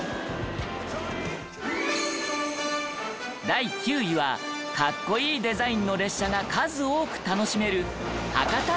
第９位は格好いいデザインの列車が数多く楽しめる博多駅でした。